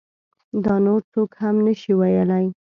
دا نور څوک هم نشي ویلی.